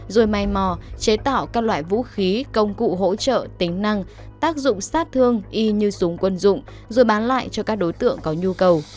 rồi may mò chế tạo các loại vũ khí công cụ hỗ trợ tính năng tác dụng sát thương y như súng quân dụng rồi bán lại cho các đối tượng có nhu cầu